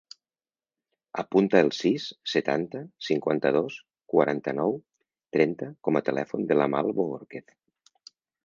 Apunta el sis, setanta, cinquanta-dos, quaranta-nou, trenta com a telèfon de l'Amal Bohorquez.